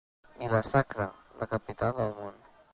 Vila-sacra, la capital del món.